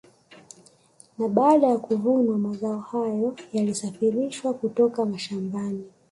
Na baada ya kuvunwa mazao hayo yalisafirishwa kutoka mashamabani